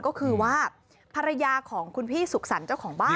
ก็คือว่าภรรยาของคุณพี่สุขสรรค์เจ้าของบ้าน